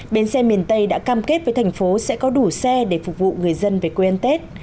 bến xe miền tây đã cam kết với thành phố sẽ có đủ xe để phục vụ người dân về quê ăn tết